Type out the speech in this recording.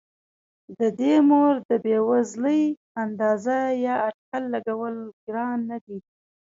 د دې مور د بې وزلۍ اندازه یا اټکل لګول ګران نه دي.